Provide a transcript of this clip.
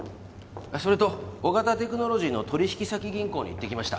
それとオガタテクノロジーの取引先銀行に行ってきました